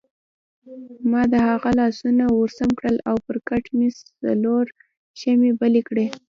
ما د هغه لاسونه ورسم کړل او پر کټ مې څلور شمعې بلې کړې.